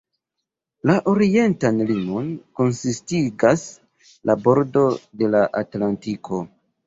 La orientan limon konsistigas la bordo de la Atlantiko.